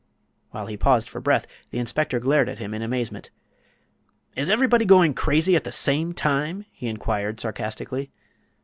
While he paused for breath the inspector glared at him in amazement. "Is everybody going crazy at the same time?" he inquired, sarcastically.